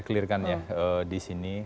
clear kan ya di sini